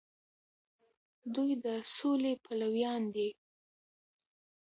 دوی د سولې پلویان دي.